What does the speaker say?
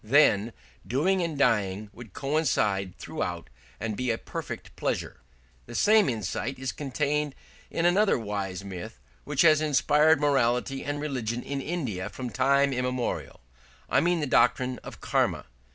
Then doing and dying would coincide throughout and be a perfect pleasure. This same insight is contained in another wise myth which has inspired morality and religion in India from time immemorial: I mean the doctrine of Karma.